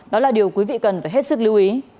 đó là điều quý vị cần phải hết sức lưu ý